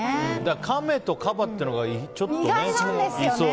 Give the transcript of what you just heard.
カメとカバというのがちょっとね。